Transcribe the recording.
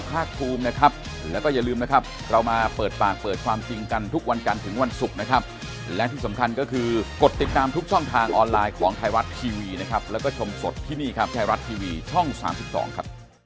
อย่างนี้ชวนเข้ามามาช่วยกันในการปากกลงดีกว่า